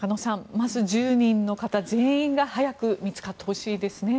まず１０人の方全員が早く見つかってほしいですね。